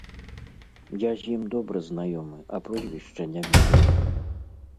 Я з ім добра знаёмы, а прозвішча не ведаю.